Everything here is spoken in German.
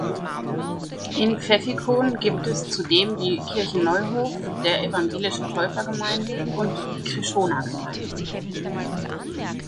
In Pfäffikon gibt es zudem die Kirche Neuhof der Evangelischen Täufergemeinde und die Chrischona-Gemeinde.